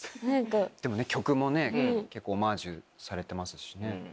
でもね曲もね結構オマージュされてますしね。